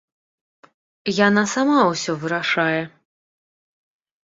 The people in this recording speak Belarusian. Яна сама ўсё вырашае.